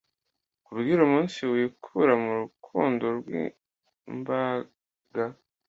Nkubwire umunsi wikura mu rukubo Rwimbaga